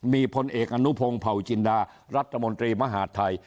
มีพลเอกอนุพงศ์เผาจินดารัฐมนตรีมหาดไทย